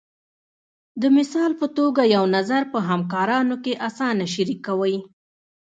د مثال په توګه یو نظر په همکارانو کې اسانه شریکوئ.